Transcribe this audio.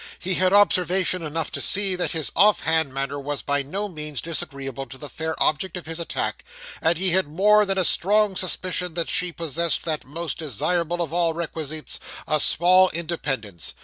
He had observation enough to see, that his off hand manner was by no means disagreeable to the fair object of his attack; and he had more than a strong suspicion that she possessed that most desirable of all requisites, a small independence.